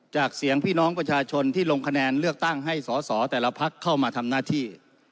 จากเสียงพี่น้องประชาชนที่ลงคะแนนเลือกตั้งให้สอสอแต่ละพักเข้ามาทำหน้าที่